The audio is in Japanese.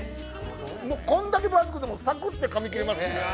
こんだけ分厚くても、サクッてかみ切れます。